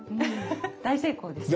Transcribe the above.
大成功ですね！